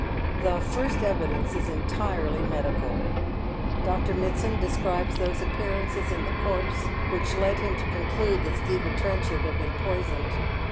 The first evidence is entirely medical. Dr. Mitsand describes those appearances in the corpse which led him to conclude that: Stephen Trenchard had been poisoned.